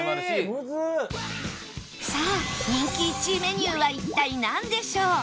さあ人気１位メニューは一体なんでしょう？